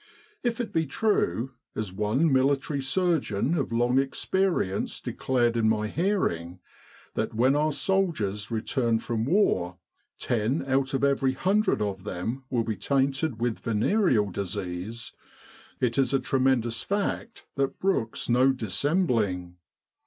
If it be true, as one military surgeon of long experience declared in my hearing, that when our soldiers return from the war ten out of every hundred of them will be tainted with venereal disease, it is a tremendous fact that brooks no dissembling.